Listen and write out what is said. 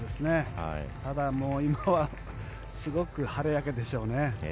ただ、今はすごく晴れやかでしょうね。